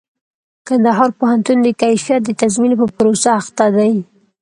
کندهار پوهنتون د کيفيت د تضمين په پروسه اخته دئ.